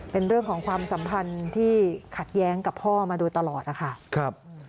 เป็นเรื่องของความสัมพันธ์ที่ขัดแย้งกับพ่อมาโดยตลอดนะคะ